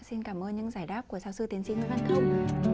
xin cảm ơn những giải đáp của giáo sư tiến sĩ nguyễn văn công